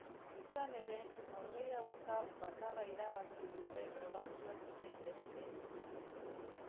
Izan ere, norgehiagoka bakarra irabazi dute batzuek zein besteek.